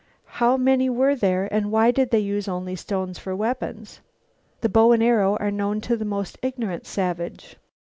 How many were there and why did they use only stones for weapons? The bow and arrow are known to the most ignorant savage.